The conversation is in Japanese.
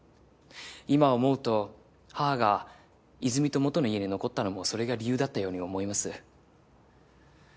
今思うと母が和泉と元の家に残ったのもそれが理由だったように思います。